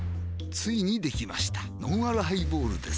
ついにできましたのんあるハイボールです